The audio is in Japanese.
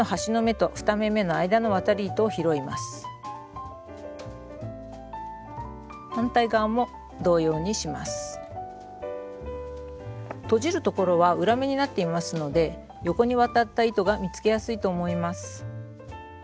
とじるところは裏目になっていますので横に渡った糸が見つけやすいと思います。